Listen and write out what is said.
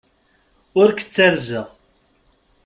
Ur k-ttarzeɣ.